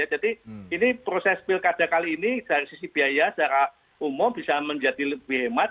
jadi ini proses pilkada kali ini dari sisi biaya secara umum bisa menjadi lebih hemat